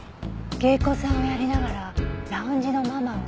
芸妓さんをやりながらラウンジのママを？